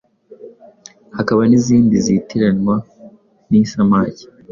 Hakaba n’izindi zitiranywa n’isamake